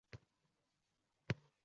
— ammo bundan senga nima naf?